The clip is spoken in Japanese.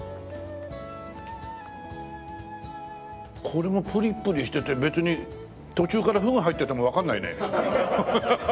これもプリプリしてて別に途中からフグ入っててもわかんないね。